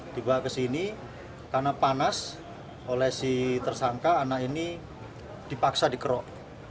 dibawa ke sini karena panas oleh si tersangka anak ini dipaksa dikerok